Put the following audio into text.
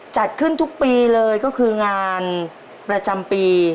จัดขึ้นทุกปีเลยก็คืองานประจำปี